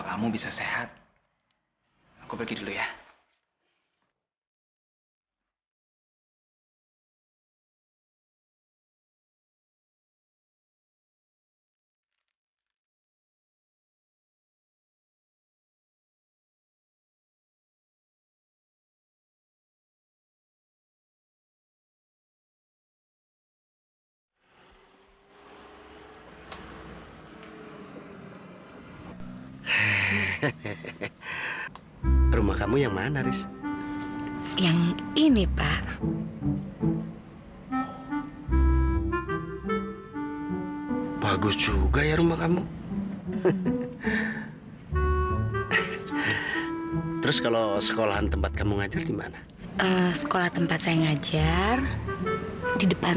sampai jumpa di video selanjutnya